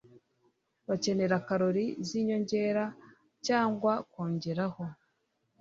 bakenera kalori z'inyongera cyangwakongeraho